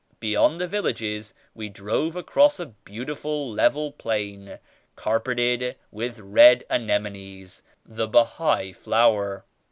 Beyond the vil lages we drove across a beautiful level plain carpeted with red anemones, the Bahai flower.